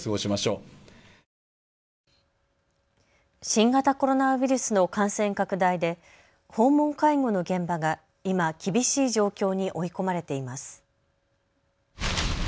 新型コロナウイルスの感染拡大で訪問介護の現場が今厳しい状況に追い込まれています。